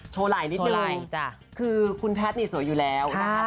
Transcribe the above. โชว์ไหล่นิดนึงคือคุณแพทย์สวยอยู่แล้วนะคะก็คือคือแหล่ม